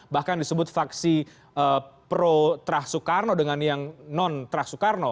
bahkan disebut faksi pro trah sukarno dengan yang non trah sukarno